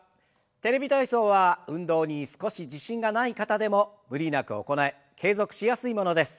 「テレビ体操」は運動に少し自信がない方でも無理なく行え継続しやすいものです。